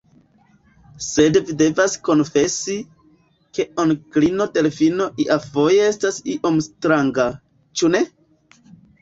Sed vi devas konfesi, ke onklino Delfino iafoje estas iom stranga; ĉu ne?